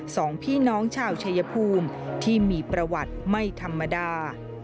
สองพี่น้องชาวชายภูมิที่มีประวัติไม่ธรรมดา